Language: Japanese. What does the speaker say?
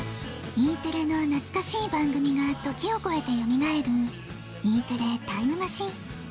Ｅテレのなつかしい番組が時をこえてよみがえるＥテレタイムマシン。